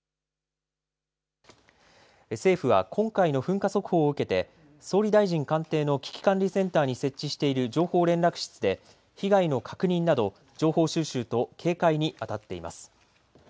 政府は今回の噴火速報を受けて総理大臣官邸の危機管理センターに設置している情報連絡室で被害の確認など情報収集と警戒にあたっています。